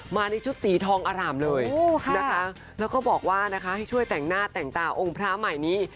มาในชุดสีทองอร่ามเลยนะคะแล้วก็บอกว่านะคะให้ช่วยแต่งหน้าแต่งตาองค์พระใหม่นี้